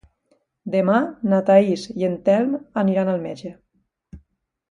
Demà na Thaís i en Telm aniran al metge.